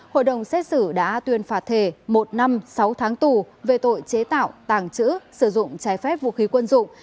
hội đồng xét xử đã tuyên phạt thể một năm sáu tháng tù về tội chế tạo tàng trữ sử dụng trái phép vũ khí quân dụng